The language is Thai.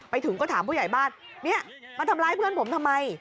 ไปถึงก็ถามผู้ใหญ่บ้านเนี่ยมาทำร้ายเพื่อนผมทำไม